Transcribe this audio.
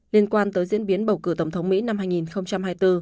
liên quan tới diễn biến bầu cử tổng thống mỹ năm hai nghìn hai mươi bốn